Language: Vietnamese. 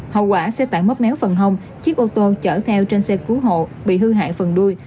hậu quả xe tải mất méo phần hông chiếc ô tô chở theo trên xe cứu hộ bị hư hại phần đuôi